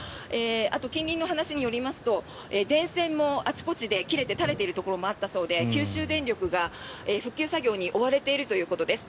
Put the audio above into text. あと、近隣の方の話によりますと電線もあちこちで切れて垂れているところもあったそうで九州電力が復旧作業に追われているということです。